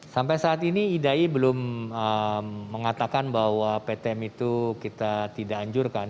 sampai saat ini idai belum mengatakan bahwa ptm itu kita tidak anjurkan